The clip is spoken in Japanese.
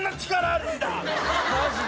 マジで？